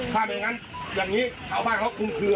ถ้าเหมือนงั้นบ้านของเขาคุ้มขึ้น